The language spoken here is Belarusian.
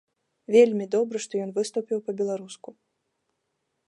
Вельмі добра, што ён выступіў па-беларуску.